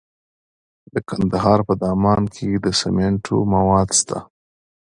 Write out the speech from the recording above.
د کندهار په دامان کې د سمنټو مواد شته.